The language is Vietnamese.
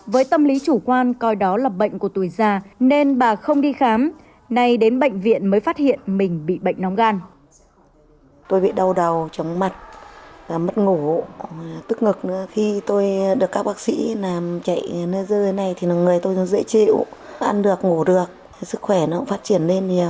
với tâm lý chủ quan coi đó là bệnh của tuổi già nên bà không đi khám nay đến bệnh viện mới phát hiện mình bị bệnh nóng gan